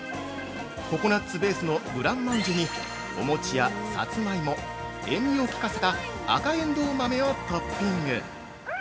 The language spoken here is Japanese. ココナッツベースのブランマンジェにお餅やサツマイモ塩味を効かせた赤えんどう豆をトッピング。